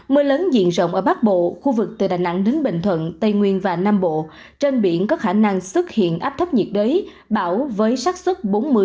mưa lớn diện rộng ở bắc bộ khu vực từ đà nẵng đến bình thuận tây nguyên và nam bộ trên biển có khả năng xuất hiện áp thấp nhiệt đới bão với sát xuất bốn mươi